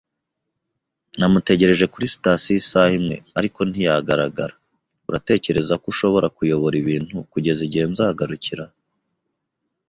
Namutegereje kuri sitasiyo isaha imwe, ariko ntiyagaragara. Uratekereza ko ushobora kuyobora ibintu kugeza igihe nzagarukira?